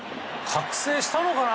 覚醒したのかな？